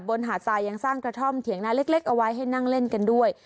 หาดทรายยังสร้างกระท่อมเถียงนาเล็กเอาไว้ให้นั่งเล่นกันด้วย